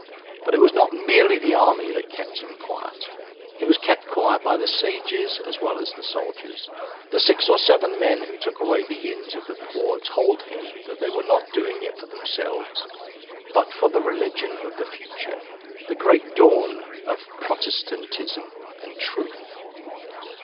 But it was not merely the army that kept him quiet. He was kept quiet by the sages as well as the soldiers; the six or seven men who took away the inns of the poor told him that they were not doing it for themselves, but for the religion of the future, the great dawn of Protestantism and truth.